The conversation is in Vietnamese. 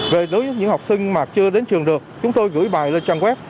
về đối với những học sinh mà chưa đến trường được chúng tôi gửi bài lên trang web